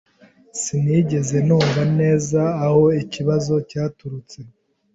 Sinigeze numva neza aho ikibazo cyaturutse.